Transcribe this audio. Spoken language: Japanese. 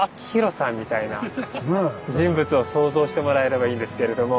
を想像してもらえればいいですけれども。